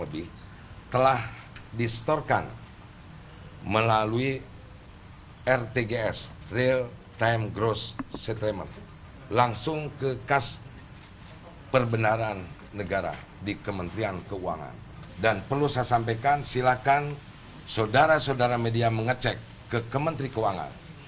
wakil jaksa agung